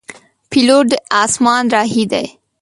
پیلوټ د اسمان راهی دی.